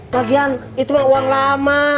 lagian itu uang lama